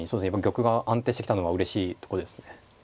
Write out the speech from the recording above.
玉が安定してきたのがうれしいとこですね。